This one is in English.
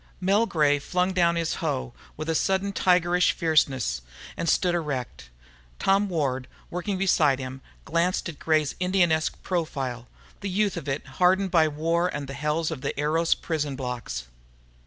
_ Mel Gray flung down his hoe with a sudden tigerish fierceness and stood erect. Tom Ward, working beside him, glanced at Gray's Indianesque profile, the youth of it hardened by war and the hells of the Eros prison blocks.